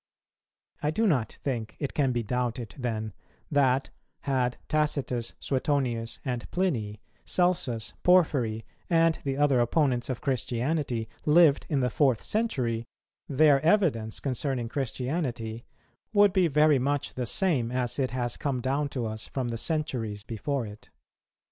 I do not think it can be doubted then that, had Tacitus, Suetonius, and Pliny, Celsus, Porphyry, and the other opponents of Christianity, lived in the fourth century, their evidence concerning Christianity would be very much the same as it has come down to us from the centuries before it.